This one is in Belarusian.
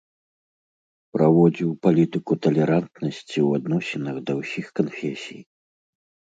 Праводзіў палітыку талерантнасці ў адносінах да ўсіх канфесій.